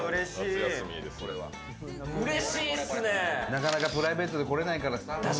なかなかプライベートで来れないからさ。